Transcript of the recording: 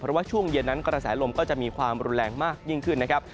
เพราะว่าช่วงเย็นนั้นกระแสลมก็จะมีความรุนแรงมากยิ่งขึ้นนะครับ